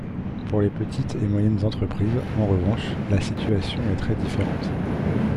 Pour les petites et moyennes entreprises, en revanche, la situation est très différente.